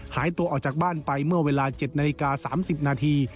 หายตัวออกจากบ้านไปเมื่อเวลา๗นาฬิกา๓๐นาที